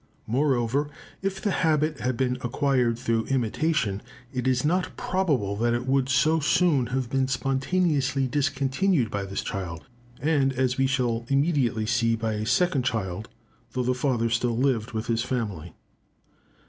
Moreover, if the habit had been acquired through imitation, it is not probable that it would so soon have been spontaneously discontinued by this child, and, as we shall immediately see, by a second child, though the father still lived with his family.